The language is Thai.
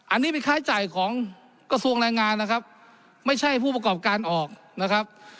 อันนี้เป็นค่าใช้จ่ายของกระทรวงแรงงานนะครับไม่ใช่ผู้ประกอบการออกนะครับ